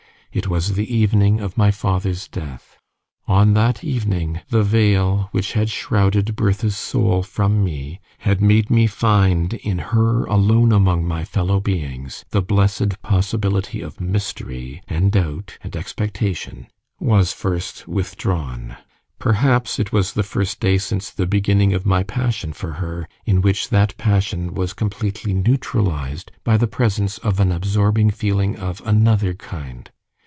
It was the evening of father's death. On that evening the veil which had shrouded Bertha's soul from me had made me find in her alone among my fellow beings the blessed possibility of mystery, and doubt, and expectation was first withdrawn. Perhaps it was the first day since the beginning of my passion for her, in which that passion was completely neutralized by the presence of an absorbing feeling of another kind.